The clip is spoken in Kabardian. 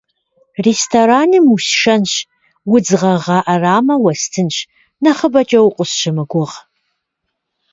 Рестораным усшэнщ, удз гъэгъа ӏэрамэ уэстынщ, нэхъыбэкӏэ укъысщымыгугъ.